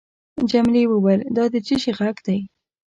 جميلې وويل:: دا د څه شي ږغ دی؟